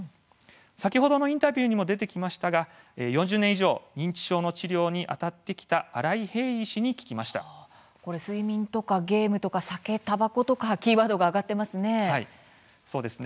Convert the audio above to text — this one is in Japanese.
先ほどのインタビューにも出てきましたが４０年以上認知症の治療にあたってきた新井平伊医師に睡眠やゲーム、酒たばこなどがキーワードが挙がっていますね。